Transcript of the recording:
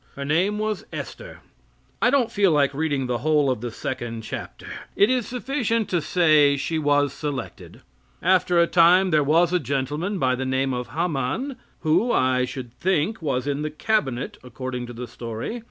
Her name was Esther. I don't feel like reading the whole of the second chapter. It is sufficient to say she was selected. After a time there was a gentleman by the name of Haman who, I should think, was in the cabinet, according to the story.